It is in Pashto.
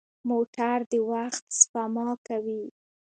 موټر د وخت سپما کوي.